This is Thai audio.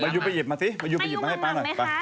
มายูไปหยิบมาดูหน่อยมาเฉิดมาให้ป๊าหน่อย